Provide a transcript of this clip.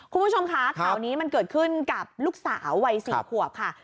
คุณผู้ชมคะข่าวนี้มันเกิดขึ้นกับลูกสาววัย๔ขวบค่ะ